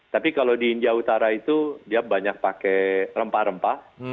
tapi kalau di india utara itu dia banyak pakai rempah rempah